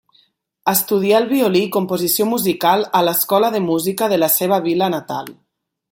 Estudià el violí i composició musical en l'Escola de Música de la seva vila natal.